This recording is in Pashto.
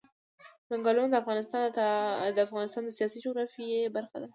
ځنګلونه د افغانستان د سیاسي جغرافیه برخه ده.